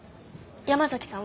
山崎さんは？